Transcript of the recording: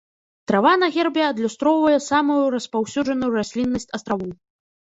Трава на гербе адлюстроўвае самую распаўсюджаную расліннасць астравоў.